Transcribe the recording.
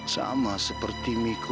sama seperti miko